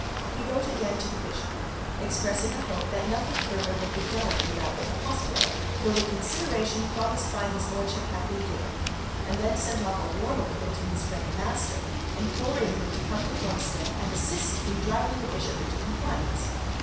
He wrote again to the bishop, expressing a hope that nothing further would be done in the matter of the hospital, till the consideration promised by his lordship had been given, and then sent off a warm appeal to his friend the master, imploring him to come to Plumstead and assist in driving the bishop into compliance.